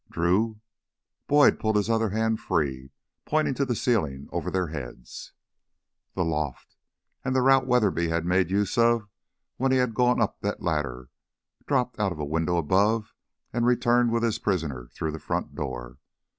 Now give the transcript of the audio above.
"Drew!" Boyd pulled his other hand free, pointing to the ceiling over their heads. The loft! And the route Weatherby had made use of when he had gone up that ladder, dropped out of a window above, and returned with his prisoner through the front door.